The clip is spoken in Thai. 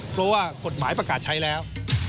เพราะว่ากฎหมายประกาศใช้แล้ว